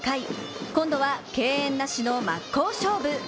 今度は敬遠なしの真っ向勝負！